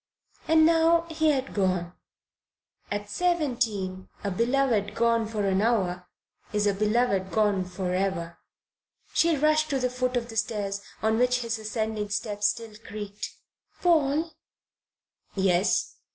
And now he had gone. At seventeen a beloved gone for an hour is a beloved gone for ever. She rushed to the foot of the stairs on which his ascending steps still creaked. "Paul!" "Yes."